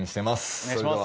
お願いします。